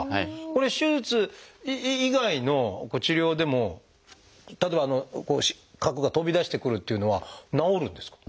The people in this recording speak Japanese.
これ手術以外の治療でも例えば核が飛び出してくるというのは治るんですか？